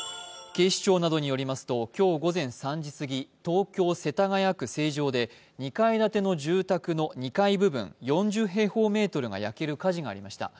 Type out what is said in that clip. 警視庁などによりますと今日午前３時すぎ、東京・世田谷区成城で、２階建ての住宅の２階部分４０平方メートルが焼ける火事がありました。